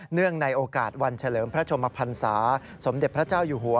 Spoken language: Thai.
เนื่องในโอกาสวันเฉลิมพระชมพันศาสมเด็จพระเจ้าอยู่หัว